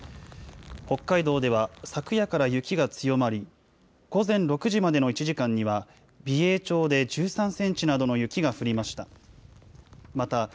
北海道では昨夜から雪が強まり、午前６時までの１時間には、美瑛町で１３センチなどの雪が降りました。